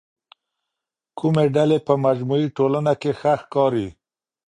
کومې ډلې په مجموعي ټولنه کي ښه ښکاري؟